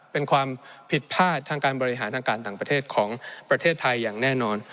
เป็นความผิดพลาดทางการบริหารทางการต่างประเทศของประเทศไทยอย่างแน่นอน